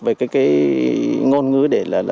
về cái ngôn ngữ để là